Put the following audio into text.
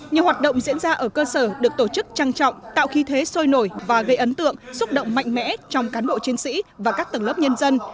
nhiều hoạt động diễn ra ở cơ sở được tổ chức trang trọng tạo khí thế sôi nổi và gây ấn tượng xúc động mạnh mẽ trong cán bộ chiến sĩ và các tầng lớp nhân dân